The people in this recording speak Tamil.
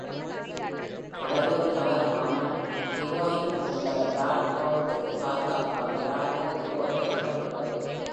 கடலோர நகரமான Devonல் உள்ள Dartmouthஐப் பாதுகாக்க Dartmouth கோட்டை கட்டப்பட்டது.